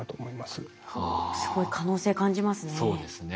すごい可能性感じますね。